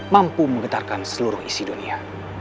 mampu menggetarkan seluruh isi dunia